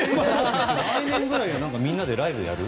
来年ぐらいにはみんなでライブやる？